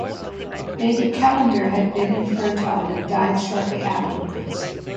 Lady Callender had been infertile and died shortly afterwards.